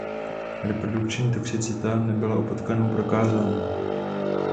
Reprodukční toxicita nebyla u potkanů prokázána.